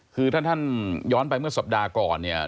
คือถ้าท่านย้อนไปเมื่อสัปดาห์ก่อนเนี่ย